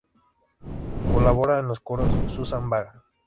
Colabora en los coros Susan Vaga.